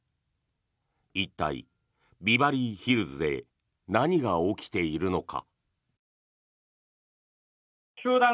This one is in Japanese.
一体、ビバリーヒルズで何が起きているのか。